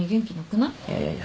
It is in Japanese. いやいやいや。